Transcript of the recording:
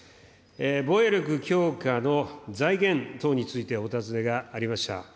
防衛力強化の財源等についてお尋ねがありました。